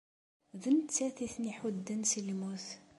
D nettat i ten-iḥudden si lmut.